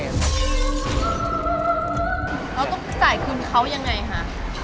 เราต้องจ่ายคืนเขายังไงคะ